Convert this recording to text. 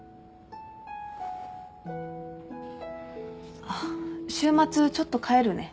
あっ週末ちょっと帰るね。